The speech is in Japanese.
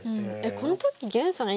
この時源さん